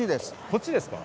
こっちですか？